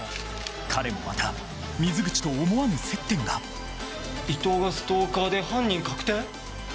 彼もまた水口と思わぬ接点が伊藤がストーカーで犯人確定？